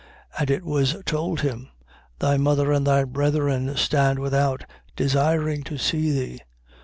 8:20. And it was told him: Thy mother and thy brethren stand without, desiring to see thee.